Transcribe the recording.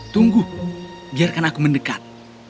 tunggu biarkan aku mendekat